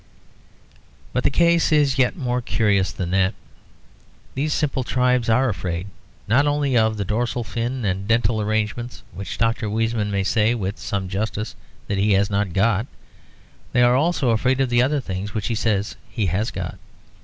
But the case is yet more curious than that. These simple tribes are afraid, not only of the dorsal fin and dental arrangements which Dr. Weizmann may say (with some justice) that he has not got; they are also afraid of the other things which he says he has got.